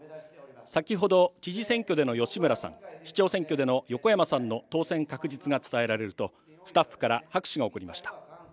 先ほど、知事選挙での吉村さん、市長選挙での横山さんの当選確実が伝えられると、スタッフから拍手が起こりました。